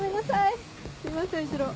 すみません後ろ。